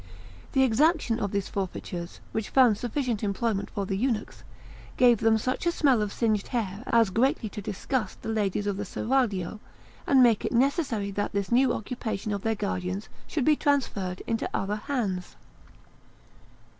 The exaction of these forfeitures, which found sufficient employment for the eunuchs, gave them such a smell of singed hair as greatly to disgust the ladies of the seraglio, and make it necessary that this new occupation of their guardians should be transferred into other hands.